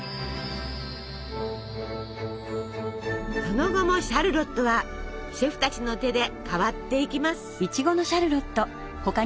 その後もシャルロットはシェフたちの手で変わっていきます。